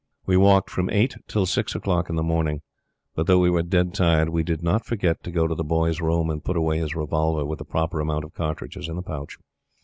We walked from eight till six o'clock in the morning; but though we were dead tired, we did not forget to go to The Boy's room and put away his revolver with the proper amount of cartridges in the pouch.